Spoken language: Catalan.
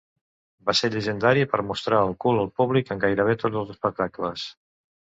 Va ser llegendari per mostrar el cul al públic en gairebé tots els espectacles.